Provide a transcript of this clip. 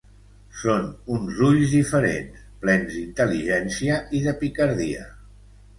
Són uns ulls diferents, plens d'intel·ligència i de picardia.